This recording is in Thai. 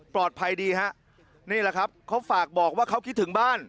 ดีฮะนี่แหละครับเขาฝากบอกว่าเขาคิดถึงบ้าน